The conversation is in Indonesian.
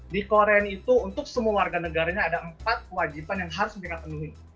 di korean itu untuk semua warga negaranya ada empat kewajiban yang harus mereka penuhi